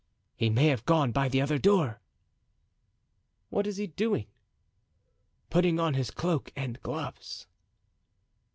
"He may have gone by the other door." "What is he doing?" "Putting on his cloak and gloves."